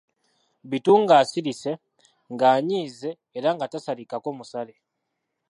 Bittu nga asirise, ng'anyiize, era nga tasalikako musale.